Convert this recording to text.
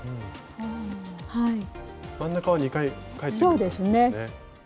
真ん中は２回返ってくる感じですね。